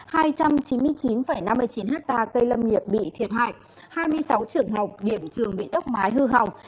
hai trăm chín mươi chín năm mươi chín hectare cây lâm nghiệp bị thiệt hại hai mươi sáu trường học điểm trường bị tốc mái hư hỏng